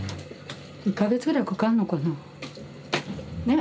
１か月ぐらいかかんのかな。ね？